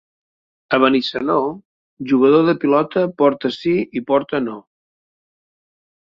A Benissanó, jugador de pilota, porta sí i porta no.